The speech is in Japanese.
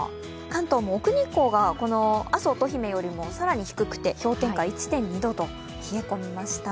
関東も奥日光がこの阿蘇乙姫よりもかなり低くて氷点下１．２度と冷え込みました。